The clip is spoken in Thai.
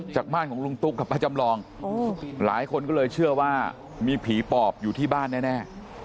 บ้านของลุงตุ๊กกับป้าจำลองหลายคนก็เลยเชื่อว่ามีผีปอบอยู่ที่บ้านแน่